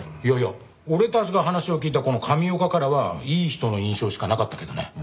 いやいや俺たちが話を聞いたこの上岡からはいい人の印象しかなかったけどね。